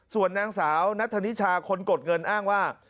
ส่วนนางสาวนัทธนิชาคนกดเงินอ้างว่า